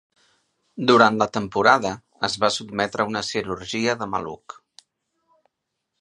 Durant la temporada es va sotmetre a una cirurgia de maluc.